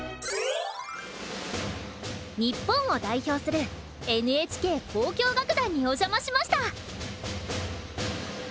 日本を代表するＮＨＫ交響楽団にお邪魔しました。